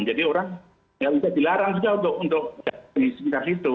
jadi orang tidak bisa dilarang juga untuk di sekitar situ